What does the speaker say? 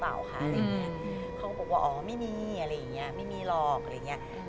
เขาก็บอกว่าอ๋อไม่มีอะไรอย่างเงี้ยไม่มีหรอกอะไรอย่างเงี้ย